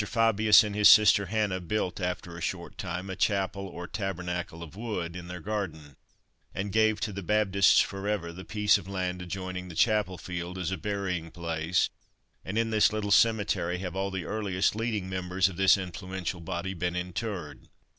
Fabius and his sister Hanna built, after a short time, a chapel or tabernacle of wood, in their garden, and gave to the Baptists "for ever" the "piece of land adjoining the chapel field," as a burying place; and in this little cemetery have all the earliest leading members of this influential body been interred.